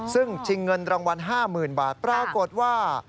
ซึ่งชิงเงินรางวัล๕๐๐๐บาทปรากฏว่า